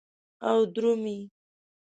او درومې